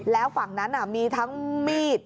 แล้วฝั่งนั้นมีทั้งมีด